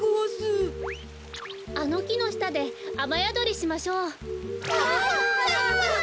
あのきのしたであまやどりしましょう。わ！